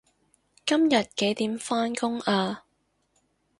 今日幾點返工啊